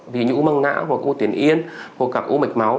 ví dụ như u măng não u tuyến yên u mạch máu